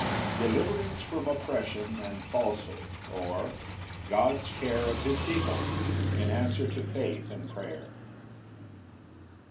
Deliverance from oppression and falsehood; or, God's care of his people, in answer to faith and prayer.